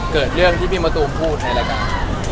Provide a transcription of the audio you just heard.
เกิดเรื่องที่พี่มะตูมพูดในรายการ